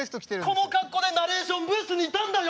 この格好でナレーションブースにいたんだよ？